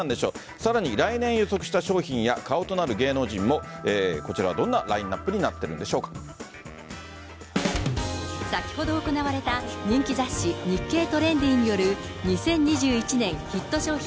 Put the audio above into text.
さらに来年予測した商品や顔となる芸能人もこちらはどんなライン先ほど行われた、人気雑誌、日経トレンディによる、２０２１年ヒット商品